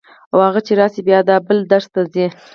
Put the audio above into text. او هغه چې راشي بیا دا بل درس ته ځي.